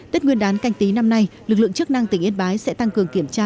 tết nguyên đán canh tí năm nay lực lượng chức năng tỉnh yên bái sẽ tăng cường kiểm tra